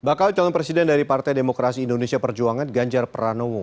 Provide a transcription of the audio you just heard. bakal calon presiden dari partai demokrasi indonesia perjuangan ganjar pranowo